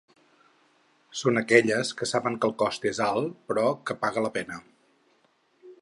Són aquelles que saben que el cost és alt, però que paga la pena.